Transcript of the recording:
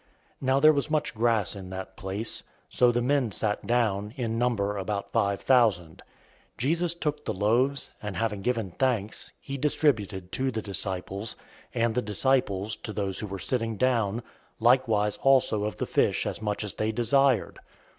Now there was much grass in that place. So the men sat down, in number about five thousand. 006:011 Jesus took the loaves; and having given thanks, he distributed to the disciples, and the disciples to those who were sitting down; likewise also of the fish as much as they desired.